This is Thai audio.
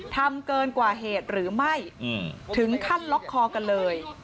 ทำเกินกว่าเหตุหรือไม่ถึงขั้นล็อกคอกันเลย